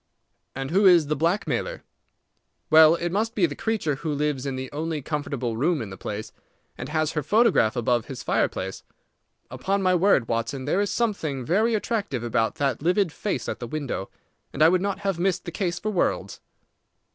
"And who is the blackmailer?" "Well, it must be the creature who lives in the only comfortable room in the place, and has her photograph above his fireplace. Upon my word, Watson, there is something very attractive about that livid face at the window, and I would not have missed the case for worlds."